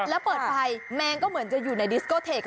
เครื่องเสียงมาเปิดไปแมงก็เหมือนจะอยู่ในดิสโกเทค